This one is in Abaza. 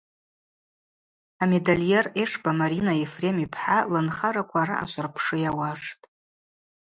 Амедальер Эшба Марина Ефрем йпхӏа лынхараква араъа швырпшы йауаштӏ.